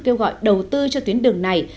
kêu gọi đầu tư cho tuyến đường này